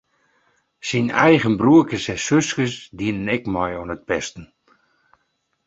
Syn eigen broerkes en suskes dienen ek mei oan it pesten.